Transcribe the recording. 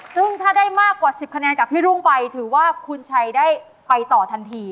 ซึ่งถ้าได้มากกว่า๑๐คะแนนจากพี่รุ่งไปถือว่าคุณชัยได้ไปต่อทันที